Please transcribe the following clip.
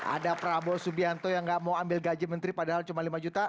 ada prabowo subianto yang nggak mau ambil gaji menteri padahal cuma lima juta